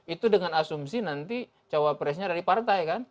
itu dengan asumsi nanti jawa pressnya dari partai kan